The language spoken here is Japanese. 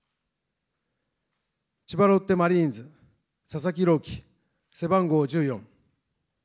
千葉ロッテマリーンズ、佐々木朗希、背番号１４。